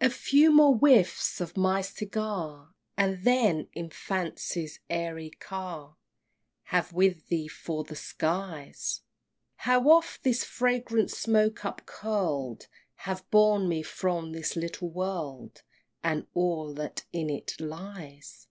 II. A few more whiffs of my segar And then, in Fancy's airy car, Have with thee for the skies: How oft this fragrant smoke upcurl'd Hath borne me from this little world, And all that in it lies!